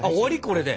これで。